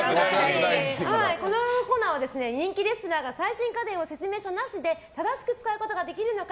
このコーナーは人気レスラーが最新家電を説明書なしで正しく使うことができるのか